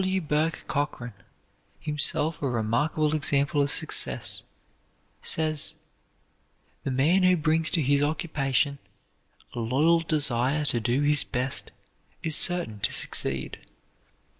W. Bourke Cockran, himself a remarkable example of success, says: "The man who brings to his occupation a loyal desire to do his best is certain to succeed.